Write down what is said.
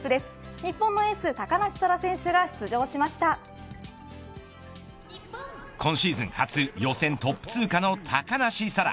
日本のエース高梨沙羅選手が今シーズン初予選トップ通過の高梨沙羅。